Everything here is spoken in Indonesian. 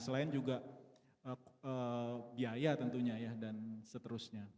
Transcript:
selain juga biaya tentunya ya dan seterusnya